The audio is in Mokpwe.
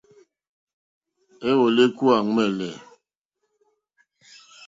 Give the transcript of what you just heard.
Éwòló ékúwà ɱwɛ̂lɛ̂.